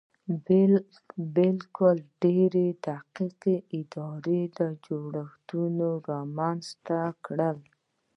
بلکې ډېر دقیق اداري جوړښتونه یې رامنځته کړل